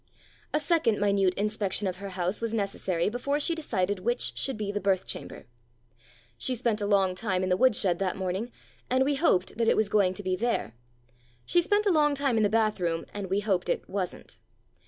A second minute inspection of her house was necessary before she decided which should be the birth chamber. She spent a long time in the wood shed that morning, and we hoped that it was going to be there ; she spent a long time in the bath room, and we hoped it wasn't.